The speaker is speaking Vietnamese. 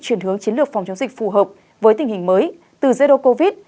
chuyển hướng chiến lược phòng chống dịch phù hợp với tình hình mới từ dây đô covid